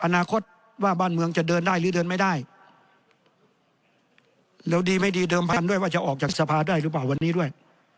อนาคตว่าบ้านเมืองจะเดินได้หรือเดินไม่ได้แล้วดีไม่ดีเดิมพันธุ์ด้วยว่าจะออกจากสภาได้หรือเปล่าวันนี้ด้วย